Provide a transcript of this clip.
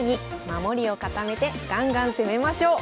守りを固めてガンガン攻めましょう！